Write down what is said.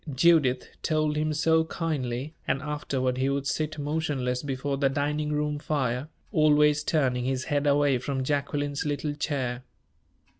Judith told him so kindly, and afterward he would sit motionless before the dining room fire, always turning his head away from Jacqueline's little chair.